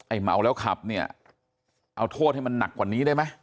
เมาแล้วขับเนี่ยเอาโทษให้มันหนักกว่านี้ได้ไหม